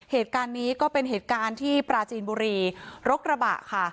เหตุการณ์นี้ก็เป็นเหตุการณ์ที่ปราจีนบุรีรกระบะค่ะ